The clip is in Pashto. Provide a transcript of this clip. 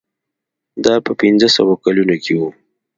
دا په پنځه سوه کلونو کې و.